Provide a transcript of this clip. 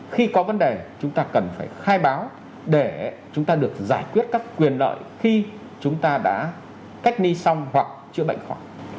khi có vấn đề chúng ta cần phải khai báo để chúng ta được giải quyết các quyền lợi khi chúng ta đã cách ly xong hoặc chữa bệnh khỏi